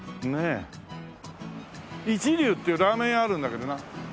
イチリュウっていうラーメン屋あるんだけどな。